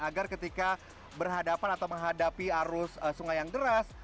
agar ketika berhadapan atau menghadapi arus sungai yang deras